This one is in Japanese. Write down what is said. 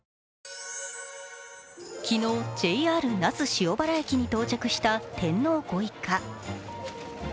昨日、ＪＲ那須塩原駅に到着した天皇ご一家。